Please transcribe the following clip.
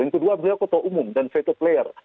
yang kedua beliau ketua umum dan veto player